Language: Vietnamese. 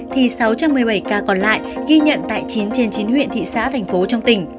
thì sáu trăm một mươi bảy ca còn lại ghi nhận tại chín trên chín huyện thị xã thành phố trong tỉnh